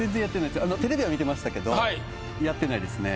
テレビは見てましたけどやってないですね。